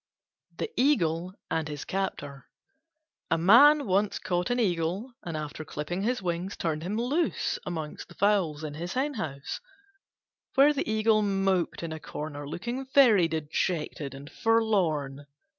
THE EAGLE AND HIS CAPTOR A Man once caught an Eagle, and after clipping his wings turned him loose among the fowls in his hen house, where he moped in a corner, looking very dejected and forlorn.